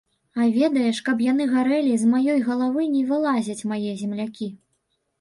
А ведаеш, каб яны гарэлі, з маёй галавы не вылазяць мае землякі.